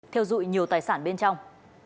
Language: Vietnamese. theo dụi nhiều tài sản bên trong